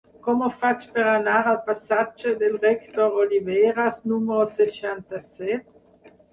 Com ho faig per anar al passatge del Rector Oliveras número seixanta-set?